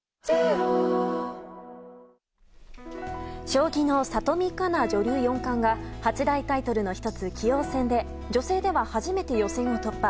将棋の里見香奈女流四冠が８大タイトルの１つ棋王戦で勝利し女性では初めて予選を突破。